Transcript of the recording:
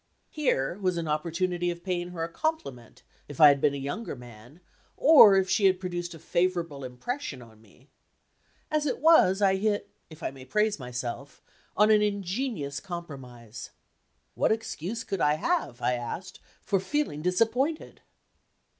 Here was an opportunity of paying her a compliment, if I had been a younger man, or if she had produced a favorable impression on me. As it was, I hit if I may praise myself on an ingenious compromise. "What excuse could I have," I asked, "for feeling disappointed?"